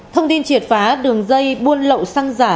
thông tin triệt phá đường dây buôn lậu xăng giả